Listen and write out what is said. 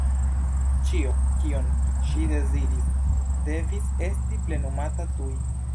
Ĉio, kion ŝi deziris, devis esti plenumata tuj.